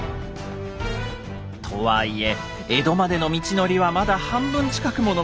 とはいえ江戸までの道のりはまだ半分近くも残っています。